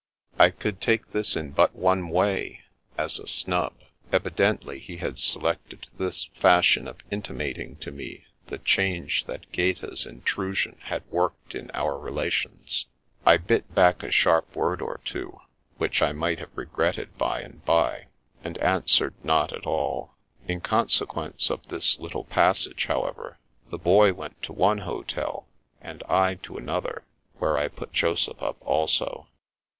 I could take this in but one way : as a snub. Evi dently he had selected this fashion of intimating to me the change that Gaeta's intrusion had worked in our relations. I bit back a sharp word or two which I might have regretted by and bye, and answered not at all. In consequence of this little passage, how ever, the Boy went to one hotel, and I to another, where I put Joseph up also.